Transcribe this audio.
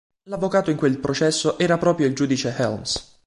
L'avvocato in quel processo era proprio il giudice Helms.